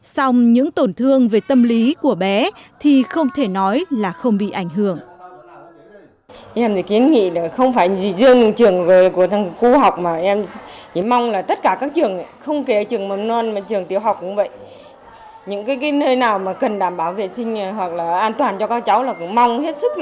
song những tổn thương về tâm lý của bé thì không thể nói là không bị ảnh hưởng